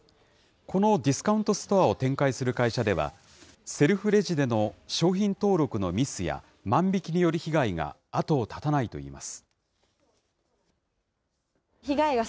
このディスカウントストアを展開する会社では、セルフレジでの商品登録のミスや、万引きによる被害が後を絶たないといいます。